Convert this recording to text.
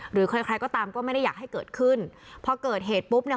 หรือใครใครก็ตามก็ไม่ได้อยากให้เกิดขึ้นพอเกิดเหตุปุ๊บเนี่ย